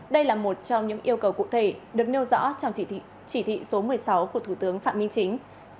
đây là một trong những yêu cầu cụ thể được nêu rõ trong chỉ thị số một mươi sáu của thủ tướng phạm minh chính